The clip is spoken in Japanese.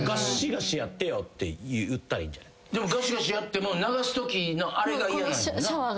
でもガシガシやっても流すときのあれが嫌なんやもんな？